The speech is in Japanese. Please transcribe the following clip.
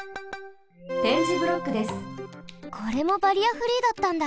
これもバリアフリーだったんだ。